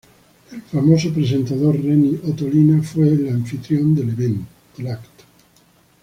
El famoso presentador Renny Ottolina fue el anfitrión del evento.